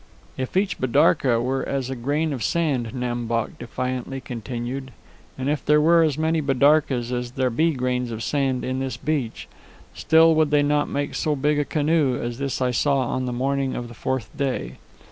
"If each bidarka were as a grain of sand," Nam Bok defiantly continued, "and if there were as many bidarkas as there be grains of sand in this beach, still would they not make so big a canoe as this I saw on the morning of the fourth day.